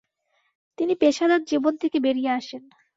তিনি পেশাদার জীবন থেকে বেরিয়ে আসেন।